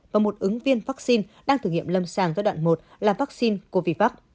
và một ứng viên vaccine đang thử nghiệm lâm sàng giai đoạn một là vaccine covid